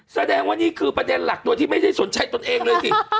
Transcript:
แสดงว่านี่คือประเด็นหลักโดยที่ไม่ได้สนใจตนเองเลยสิ